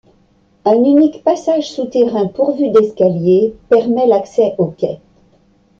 Un unique passage souterrain pourvu d'escaliers permet l'accès aux quais.